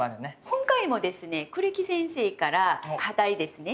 今回もですね栗木先生から課題ですね。